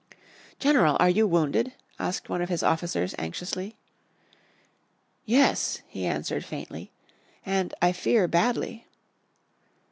"General, are you wounded?" asked one of his officers, anxiously. "Yes," he answered, faintly, "and I fear badly."